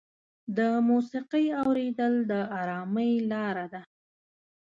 د موسیقۍ اورېدل د ارامۍ لاره ده.